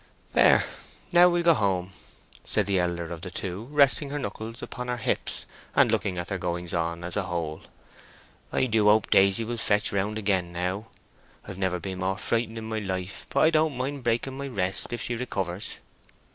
"There, now we'll go home," said the elder of the two, resting her knuckles upon her hips, and looking at their goings on as a whole. "I do hope Daisy will fetch round again now. I have never been more frightened in my life, but I don't mind breaking my rest if she recovers."